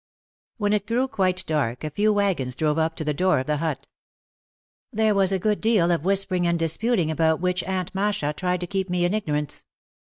When it grew quite dark a few wagons drove up to the door of the hut. There was a good deal of whisper ing and disputing about which Aunt Masha tried to keep me in ignorance.